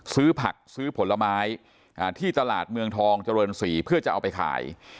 ซื้อผักซื้อผลไม้ที่ตลาดเมืองทองเจริญศรีเพื่อจะเอาไปขาย